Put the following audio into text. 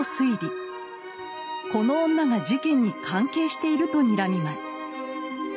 この女が事件に関係しているとにらみます。